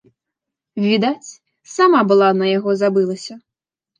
Відаць, сама была на яго забылася.